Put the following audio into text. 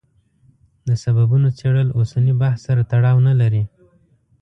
د سببونو څېړل اوسني بحث سره تړاو نه لري.